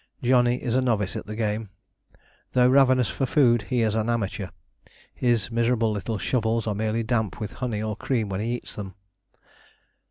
Johnny is a novice at the game. Though ravenous for food he is an amateur: his miserable little shovels are merely damp with honey or cream when he eats them.